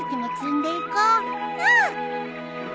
うん！